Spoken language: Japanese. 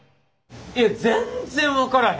全然分からへん。